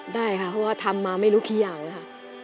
ได้ค่ะเพราะว่าทำมาไม่รู้กี่อย่างค่ะ